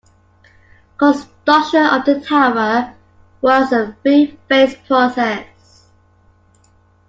Construction of the tower was a three-phase process.